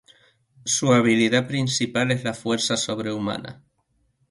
Su habilidad principal es la fuerza sobrehumana.